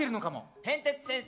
へんてつ先生？